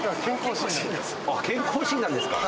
健康診断ですか？